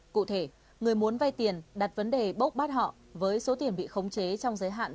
cụ thể người muốn vay tiền đặt vấn đề bốc bắt họ với số tiền bị khống chế trong giới hạn